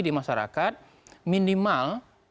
di masyarakat minimal